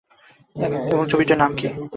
এবং ছবিটির নাম কী?